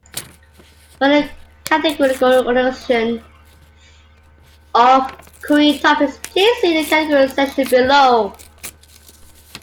For a categorical organization of Korean topics, please see the Categories section below.